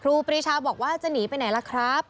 ปรีชาบอกว่าจะหนีไปไหนล่ะครับ